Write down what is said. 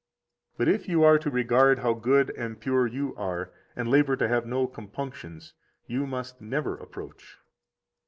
57 But if you are to regard how good and pure you are, and labor to have no compunctions, you must never approach.